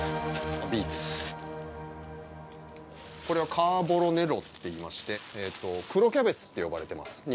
これはカーボロネロっていいまして黒キャベツって呼ばれてます